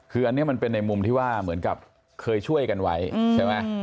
คืออันนี้มันเป็นในมุมที่ว่าเหมือนกับเคยช่วยกันไว้ใช่ไหม